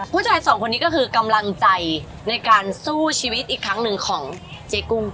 ผู้ชายสองคนนี้ก็คือกำลังใจในการสู้ชีวิตอีกครั้งหนึ่งของเจ๊กุ้ง